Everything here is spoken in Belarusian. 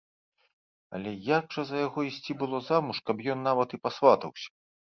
Але як жа за яго ісці было замуж, каб ён нават і пасватаўся?